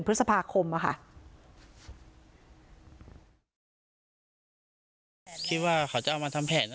เหมือนกับผู้บ้านในโลกคิดว่าของเขาจะทำแผน